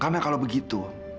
karena kalau begitu